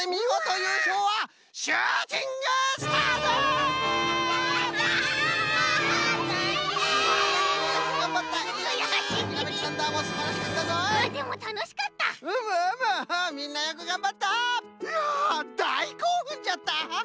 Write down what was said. いやだいこうふんじゃった！